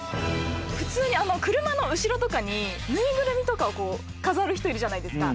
普通に車の後ろとかに縫いぐるみとか飾る人いるじゃないですか。